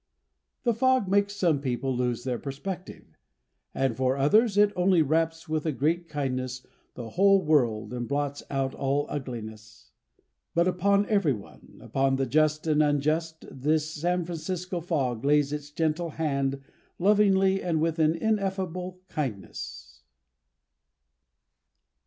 The fog makes some people lose their perspective, and for others it only wraps with a great kindness the whole world and blots out all ugliness. But upon everyone, upon the just and unjust, this San Francisco fog lays its gentle hand lovingly and with an ineffable kindness.